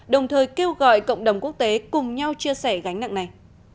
đồng thời kêu gọi cộng đồng quốc tế cùng nhau chia sẻ gánh nặng này